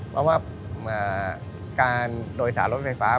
เพราะว่าการโดยสารรถไฟฟ้า